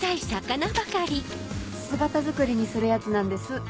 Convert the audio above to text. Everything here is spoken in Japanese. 姿造りにするやつなんです。